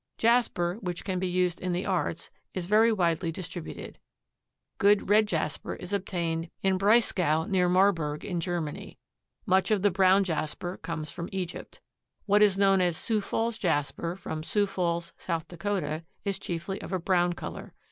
Jasper which can be used in the arts is very widely distributed. Good red jasper is obtained in Breisgau and near Marburg in Germany. Much of the brown jasper comes from Egypt. What is known as "Sioux Falls jasper" from Sioux Falls, South Dakota, is chiefly of a brown color.